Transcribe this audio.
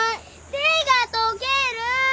手が溶ける。